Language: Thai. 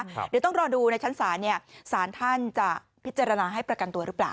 เดี๋ยวต้องรอดูในชั้นศาลเนี่ยสารท่านจะพิจารณาให้ประกันตัวหรือเปล่า